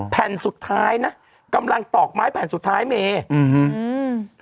แผ่นสุดท้ายนะกำลังตอกไม้แผ่นสุดท้ายเมอืม